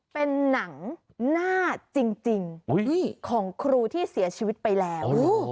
เป็นหนังหน้าจริงของครูที่เสียชีวิตไปแล้ว